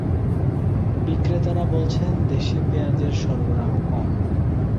বিক্রেতারা বলছেন, দেশি পেঁয়াজের সরবরাহ কম।